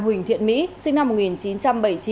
huỳnh thiện mỹ sinh năm một nghìn chín trăm bảy mươi chín